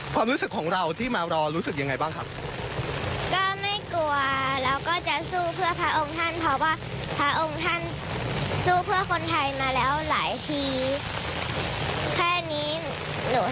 ความรู้สึกของเราที่มารอรู้สึกยังไงบ้างครับก็ไม่กลัวเราก็จะสู้เพื่อพระองค์ท่านเพราะว่าพระองค์ท่านสู้เพื่อคนไทยมาแล้วหลายที